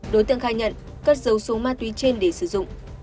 đối tượng khai nhận cất dấu số ma túy trên để sử dụng